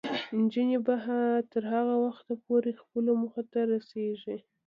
نجونې به تر هغه وخته پورې خپلو موخو ته رسیږي.